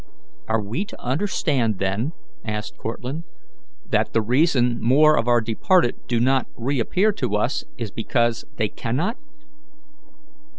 "Are we to understand, then," asked Cortlandt, "that the reason more of our departed do not reappear to us is because they cannot?"